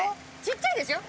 小っちゃいでしょ？